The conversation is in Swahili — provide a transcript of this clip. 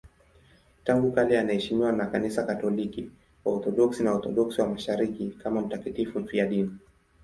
Tangu kale anaheshimiwa na Kanisa Katoliki, Waorthodoksi na Waorthodoksi wa Mashariki kama mtakatifu mfiadini.